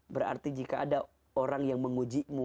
berarti jika ada orang yang mengujimu